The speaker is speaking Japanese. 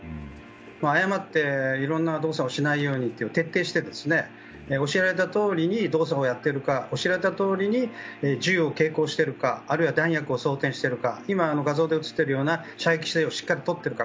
誤っていろんな動作をしないようにというのを徹底して教えられたとおりに動作をやっているか教えられたとおりに銃を携行しているかあるいは弾薬を装填しているか画像で映っているような射撃姿勢をしっかりとっているか。